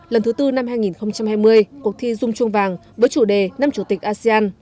lần thứ tư năm hai nghìn hai mươi cuộc thi dung chuông vàng với chủ đề năm chủ tịch asean